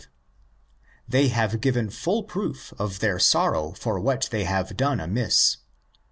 They have given full proof of their sorrow for what they have done amiss.